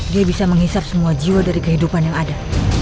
dia bisa menghisap semua jiwa dari kehidupan yang ada